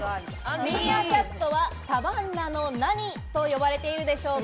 ミーアキャットはサバンナの何と呼ばれているでしょうか？